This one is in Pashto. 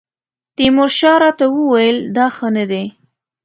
تیمورشاه راته وویل دا ښه نه دی.